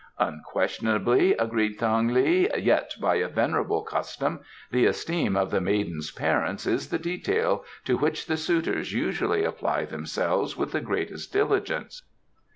"Unquestionably," agreed Thang li. "Yet, by a venerable custom, the esteem of the maiden's parents is the detail to which the suitors usually apply themselves with the greatest diligence."